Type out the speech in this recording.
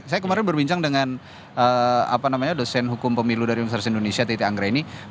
saya kemarin berbincang dengan dosen hukum pemilu dari universitas indonesia titi anggreni